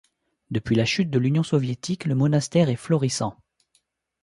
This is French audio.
Depuis la chute de l'Union soviétique, le monastère est florissant.